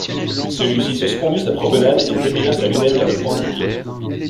Celui-ci suspendit sa promenade et dirigea sa lunette vers le point indiqué.